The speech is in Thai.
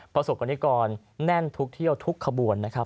ประสบกรณิกรแน่นทุกเที่ยวทุกขบวนนะครับ